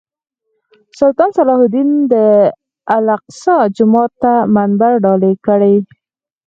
سلطان صلاح الدین د الاقصی جومات ته منبر ډالۍ کړی.